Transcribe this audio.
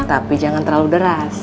tapi jangan terlalu deras